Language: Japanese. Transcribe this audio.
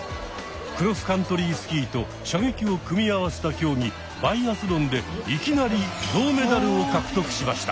「クロスカントリースキー」と「射撃」を組み合わせた競技「バイアスロン」でいきなり銅メダルを獲得しました。